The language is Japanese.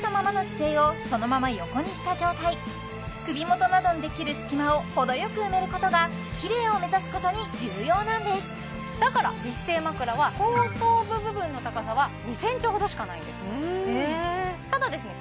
首元などにできる隙間をほどよく埋めることがキレイを目指すことに重要なんですだから美姿勢枕は後頭部部分の高さは２ｃｍほどしかないんですただですね